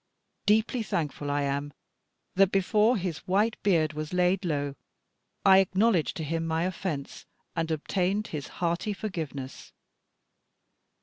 Deeply thankful I am that, before his white beard was laid low, I acknowledged to him my offence, and obtained his hearty forgiveness.